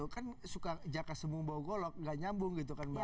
kan suka jaka sembuh bau golok tidak nyambung